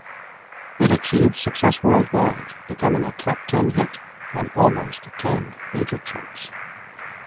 It achieved success worldwide, becoming a top ten hit on almost ten major charts.